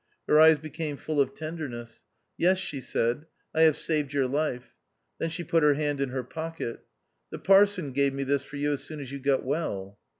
Her eyes became full of tender ness. " Yes," she said, " I have saved your life." Then she put her hand in her pocket. " The parson gave me this for you as soon as you got well."